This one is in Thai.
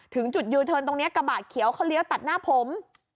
ถึงจุดยูเทิร์นตรงนี้กระบะเขียวเขาเลี้ยวตัดหน้าผม